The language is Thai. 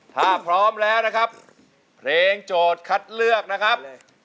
ถ้าพร้อมแล้วนะครับเพลงโจทย์คัดเลือกนะครับ